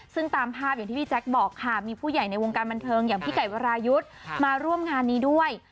ซึ่งตามภาพอย่างที่พี่แจ๊คบอกค่ะมีผู้ใหญ่ในวงการบันเทิงอย่างพี่ไก่วรายุทธ์มาร่วมงานนี้ด้วย